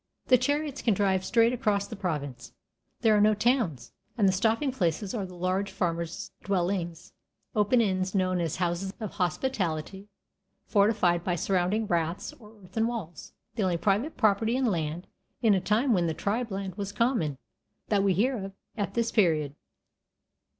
The chariots can drive straight across the province. There are no towns, and the stopping places are the large farmers' dwellings, open inns known as "houses of hospitality", fortified by surrounding raths or earthen walls, the only private property in land, in a time when the tribe land was common, that we hear of at this period.